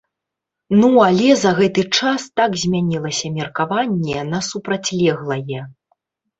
Ну але за гэты час так змянілася меркаванне на супрацьлеглае.